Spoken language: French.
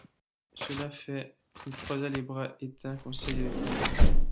Cela fait, il croisa les bras et tint conseil avec lui-même.